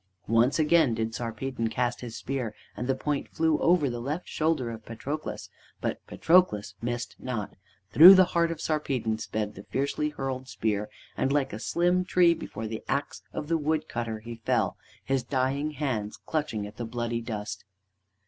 Once again did Sarpedon cast his spear, and the point flew over the left shoulder of Patroclus. But Patroclus missed not. Through the heart of Sarpedon sped the fiercely hurled spear, and like a slim tree before the axe of the wood cutter he fell, his dying hands clutching at the bloody dust.